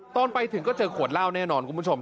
ตอนไปถึงก็เจอขวดเหล้าแน่นอนคุณผู้ชม